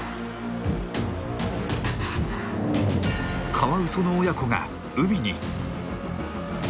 カワウソの親子が海に。